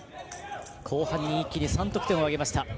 後半に一気に３得点入れました。